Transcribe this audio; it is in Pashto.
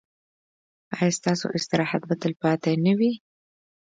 ایا ستاسو استراحت به تلپاتې نه وي؟